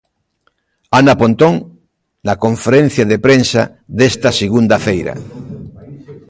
Ana Pontón, na conferencia de prensa desta segunda feira.